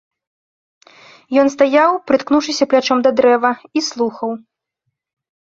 Ён стаяў, прыткнуўшыся плячом да дрэва, і слухаў.